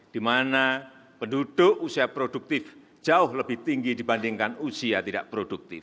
di mana penduduk usia produktif jauh lebih tinggi dibandingkan usia tidak produktif